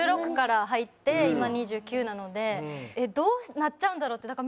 １６から入って今２９なのでどうなっちゃうんだろうって。